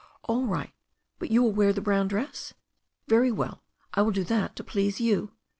"All right, but you will wear the brown dress?" "Very well. I will do that to please you."